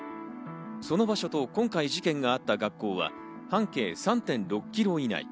その場所と今回事件があった学校が半径３．６キロ以内。